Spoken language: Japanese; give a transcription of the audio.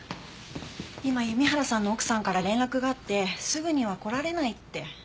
今弓原さんの奥さんから連絡があってすぐには来られないって。